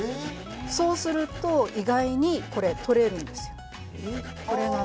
そうすると意外にこれ、取れるんですよ。